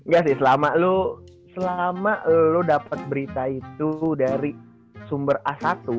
gak sih selama lo dapet berita itu dari sumber a satu